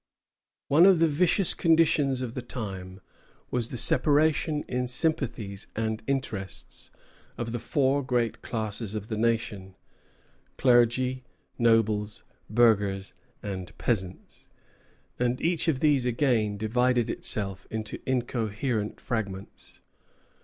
One of the vicious conditions of the time was the separation in sympathies and interests of the four great classes of the nation, clergy, nobles, burghers, and peasants; and each of these, again, divided itself into incoherent fragments.